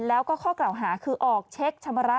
แล้วก็ข้อกล่าวหาคือออกเช็คชำระ